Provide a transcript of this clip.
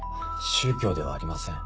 宗教ではありません。